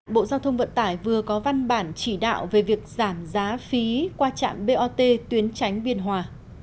bộ giao thông vận tải vừa có văn bản chỉ đạo về việc giảm giá phí qua trạm bot tuyến tránh biên hòa